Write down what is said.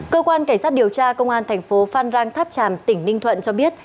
cơ quan cảnh sát điều tra công an tp phan rang tháp tràm tỉnh ninh thuận cho biết